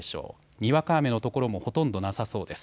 にわか雨の所もほとんどなさそうです。